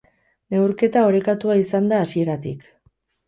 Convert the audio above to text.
Neurketa orekatua izan da hasieratik.